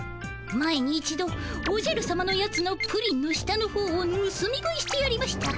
前に一度おじゃるさまのやつのプリンの下のほうをぬすみ食いしてやりました。